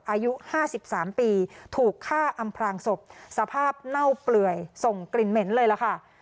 อายุ๕๓ปีถูกฆ่าอำพลางศพสภาพเน่าเปื่อยส่งกลิ่นเหม็นเลยล่ะค่ะ